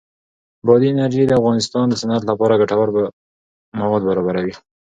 بادي انرژي د افغانستان د صنعت لپاره ګټور مواد برابروي.